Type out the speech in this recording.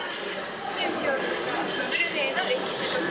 宗教とかブルネイの歴史とか。